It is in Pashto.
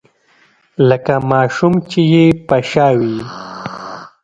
لکه ماشوم چې يې په شا وي.